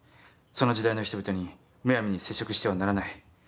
その時代の人々にむやみに接触してはならない。